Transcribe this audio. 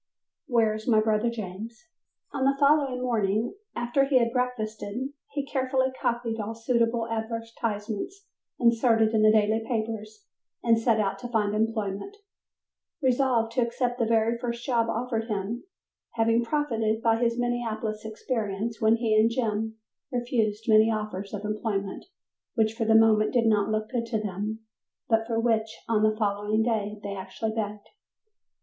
"Where is my Brother James" On the following morning after he had breakfasted, he carefully copied all suitable advertisements inserted in the daily papers and set out to find employment, resolved to accept the very first job offered him, having profited by his Minneapolis experience when he and Jim refused many offers of employment which for the moment did not look good to them, but for which on the following day they actually begged.